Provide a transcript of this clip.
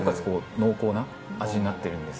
濃厚な味になってるんです。